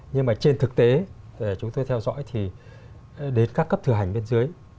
nhưng mà trên thực tế chúng tôi theo dõi thì đến các cấp thừa hành bên dưới